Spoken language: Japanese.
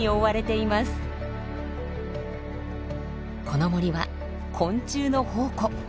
この森は昆虫の宝庫。